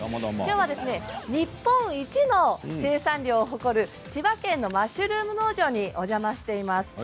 きょうは日本一の生産量を誇る千葉県のマッシュルーム農場にお邪魔しています。